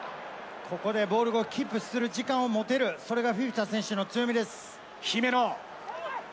ここでボールをキープする時間を持てる、それがフィフィタ選手の姫野。